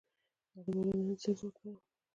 د الوبالو دانه د څه لپاره وکاروم؟